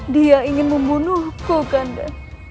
dia ingin membunuhku kanda